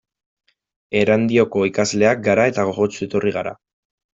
Erandioko ikasleak gara eta gogotsu etorri gara.